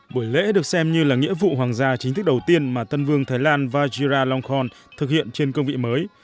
buổi lễ được xem như là nghĩa vụ hoàng gia chính thức đầu tiên mà tân vương thái lan vajiralongkorn thực hiện trên công vị mới